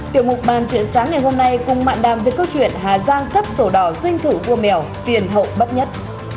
tiểu mục bàn chuyện sáng ngày hôm nay cùng mạng đàm về câu chuyện hà giang cấp sổ đỏ dinh thủ vua mèo tiền hậu bấp nhất